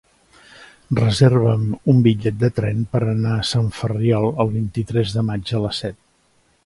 Reserva'm un bitllet de tren per anar a Sant Ferriol el vint-i-tres de maig a les set.